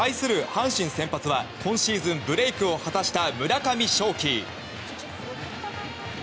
阪神先発は今シーズン、ブレークを果たした村上頌樹。